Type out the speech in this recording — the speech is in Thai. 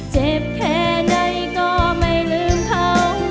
เจ็บแค่ไหนก็ไม่ลืมเขา